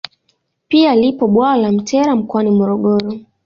Pia lipo bwawa la Mtera mkoani Morogoro